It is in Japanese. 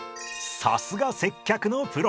さすが接客のプロ！